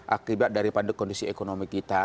akibat daripada kondisi ekonomi kita